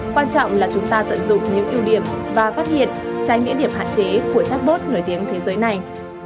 quan trọng là chúng ta tận dụng những ưu điểm và phát hiện trái nghĩa điểm hạn chế của chắc bốt nổi tiếng thế giới này